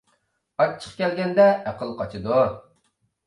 ئاچچىق كەلگەندە ئەقىل قاچىدۇ.